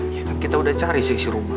ya kan kita udah cari sih rumah